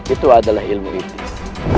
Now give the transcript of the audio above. itu adalah ilmu ibtis